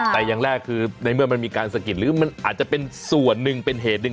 แต่อย่างแรกคือในเมื่อมันมีการสะกิดหรือมันอาจจะเป็นส่วนหนึ่งเป็นเหตุหนึ่ง